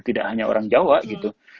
tidak hanya orang jawa gitu